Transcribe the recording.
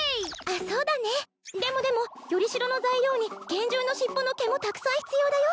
あっそうだねえでもでもよりしろの材料に幻獣の尻尾の毛もたくさん必要だよ